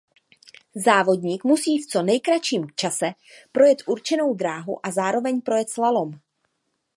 Závodník musí v co nejkratším čase projet určenou dráhu a zároveň projet slalom.